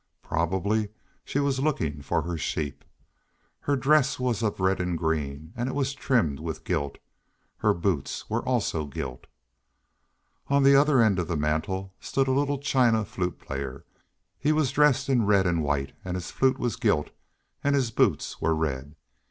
Probably she was looking for her sheep. Her dress was of red and green, and it was trimmed with gilt. Her boots were also gilt. On the other end of the mantel stood a little china Flute Player. He was dressed in red and white, and his flute was gilt and his boots were red.